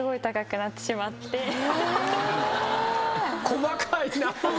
細かいな。